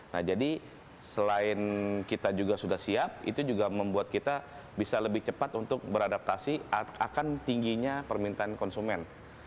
nah jadi selain kita juga sudah siap itu juga membuat kita bisa lebih cepat untuk beradaptasi akan tingginya permintaan konsumen